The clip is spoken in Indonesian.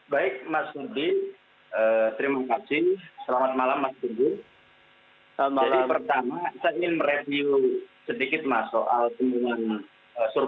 baik mas sergi terima kasih selamat malam mas sergi